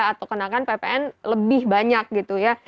atau kenakan ppn lebih banyak gitu ya